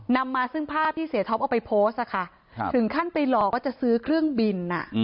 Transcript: นำมาซึ่งภาพที่เสียท็อปเอาไปโพสต์ถึงขั้นไปหลอกว่าจะซื้อเครื่องบิน